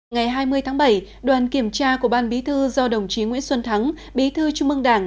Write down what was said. ngày hai mươi tháng bảy đoàn kiểm tra của ban bí thư do đồng chí nguyễn xuân thắng bí thư trung mương đảng